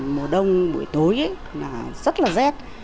mùa đông buổi tối là rất là rét